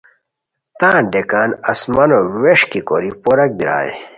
تان ڈیکان آسمانو ووݰکی کوری پوراک بیرائے